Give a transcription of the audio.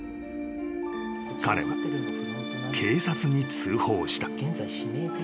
［彼は警察に通報した］